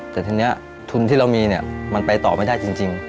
แต่ทีนี้ทุนที่เรามีเนี่ยมันไปต่อไม่ได้จริง